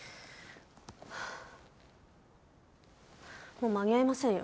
もう間に合いませんよ。